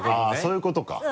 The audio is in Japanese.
そういうことか。